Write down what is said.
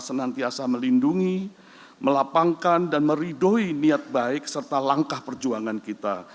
senantiasa melindungi melapangkan dan meridoi niat baik serta langkah perjuangan kita